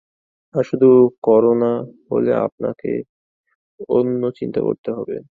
আর শুধু করোনা হলে আপনাকে অন্য চিন্তা করতে হবে।